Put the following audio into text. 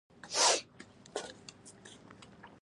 طلاوو او انعامونو ګټه نه ورته کوله.